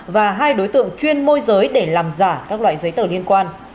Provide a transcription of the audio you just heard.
và hai đối tượng chuyên môi giới để làm giả các loại giấy tờ liên quan